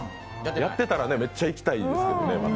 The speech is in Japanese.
やってたら、めっちゃ行きたいですね。